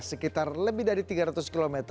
sekitar lebih dari tiga ratus km